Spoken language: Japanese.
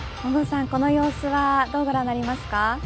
この様子はどうご覧になりますか。